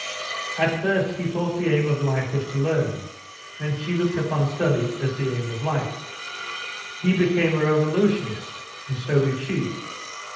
At first he thought the aim of life was to learn, and she looked upon study as the aim of life. He became a revolutionist, and so did she.